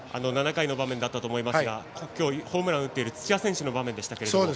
７回の場面だったと思いますが今日、ホームランを打っている土屋選手の場面でしたけれども。